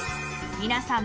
皆さん